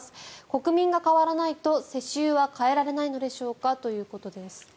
国民が変わらないと世襲は変えられないのでしょうかということです。